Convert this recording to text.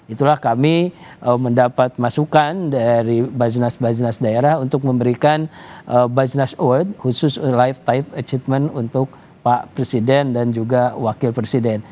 itulah kami mendapat masukan dari bajinas basnas daerah untuk memberikan budgeness award khusus lifetipe achievement untuk pak presiden dan juga wakil presiden